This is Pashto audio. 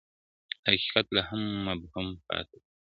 حقيقت لا هم مبهم پاتې دی,